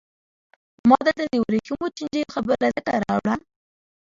ما دلته د ورېښمو چینجیو خبره ځکه راوړه.